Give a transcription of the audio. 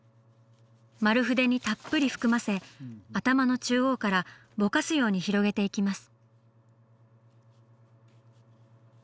丸筆にたっぷり含ませ頭の中央からぼかすように広げていきます。